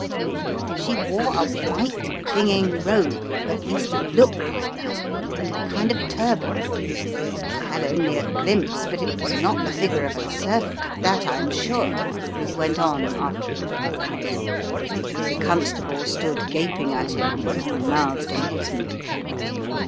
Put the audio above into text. "She wore a white, clinging robe, at least it looked like that, and a kind of turban. I had only a glimpse, but it was not the figure of a servant, of that I am sure," he went on after a pause. The constable stood gaping at him in open mouthed amazement.